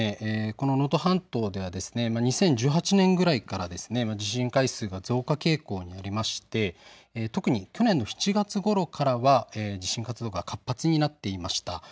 この能登半島は２０１８年ぐらいから地震回数が増加傾向にありまして特に去年の７月ごろからは地震活動が活発になっていました。